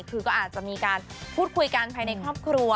คือก็อาจจะมีการพูดคุยกันภายในครอบครัว